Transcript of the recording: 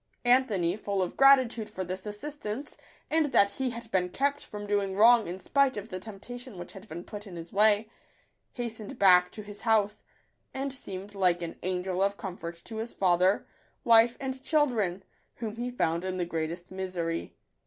Anthony, full of gratitude for this assist ance, and that he had been kept from doing wrong in spite of the temptation which had been put in his way, hastened back to his house, and seemed like an angel of comfort to his father, wife, and children, whom he found in the greatest misery.